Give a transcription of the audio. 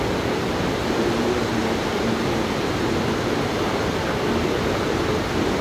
বলিয়া বিনোদিনীর মুখের দিকে না চাহিয়া দাঁড়াইয়া উঠিল।